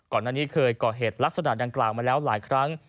ก่อนหน้านี้เคยก่อเหตุลักษณะดังกล่าวมาแล้วหลายครั้ง